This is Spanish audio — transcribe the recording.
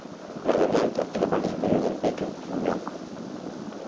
La garganta y la parte superior del pecho son blancos.